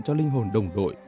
cho linh hồn đồng đội